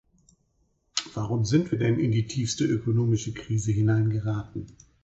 Warum sind wir denn in die tiefste ökonomische Krise hineingeraten?